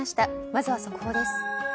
まずは速報です。